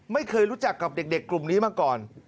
ไม่เคยรู้จักกับเด็กกลุ่มนี้มาก่อน